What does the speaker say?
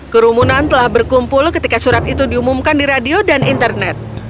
kerumunan telah berkumpul ketika surat itu diumumkan di radio dan internet